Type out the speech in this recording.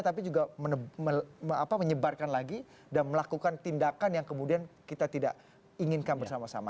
tapi juga menyebarkan lagi dan melakukan tindakan yang kemudian kita tidak inginkan bersama sama